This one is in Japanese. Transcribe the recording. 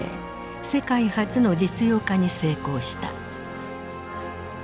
世界初の実用化に成功した。